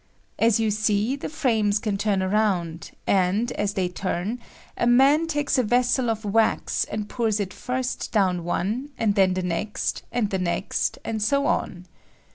As you see, the frames can turn round; and, as they turn, a man takes a vessel of wax and pours it first down one, and then the next, and the next, and HO on.